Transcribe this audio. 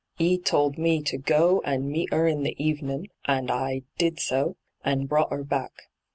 'E told me to go and meet 'er in the evenin', and I did so, and brought 'er back.